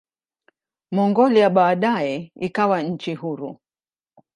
Mongolia baadaye ikawa nchi huru.